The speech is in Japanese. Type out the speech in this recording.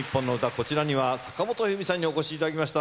こちらには坂本冬美さんにお越しいただきました。